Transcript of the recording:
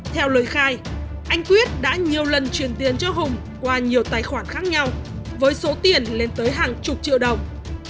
theo lời khai anh quyết đã nhiều lần truyền tiền cho hùng qua nhiều tài khoản khác nhau với số tiền lên tới hàng chục triệu đồng